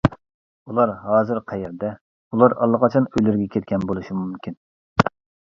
ئۇلار ھازىر قەيەردە؟ ئۇلار ئاللىقاچان ئۆيلىرىگە كەتكەن بولۇشى مۇمكىن.